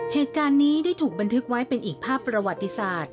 เหตุการณ์นี้ได้ถูกบันทึกไว้เป็นอีกภาพประวัติศาสตร์